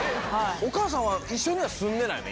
お母さんは一緒には住んでないの？